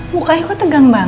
mukanya kok tegang banget